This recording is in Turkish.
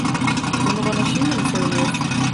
Bunu bana şimdi mi söylüyorsun?